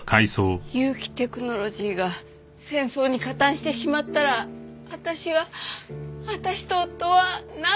結城テクノロジーが戦争に加担してしまったら私は私と夫はなんのために。